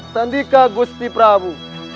tandika gusti prabu